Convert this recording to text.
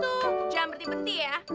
jangan berhenti henti ya